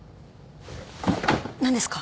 何ですか？